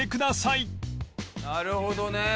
なるほどね。